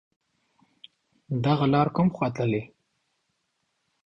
دغه لار کوم خواته تللی